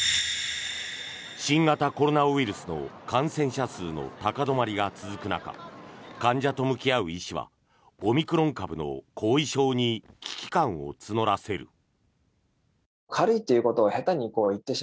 新型コロナウイルスの感染者数の高止まりが続く中患者と向き合う医師はオミクロン株の後遺症に危機感を募らせる。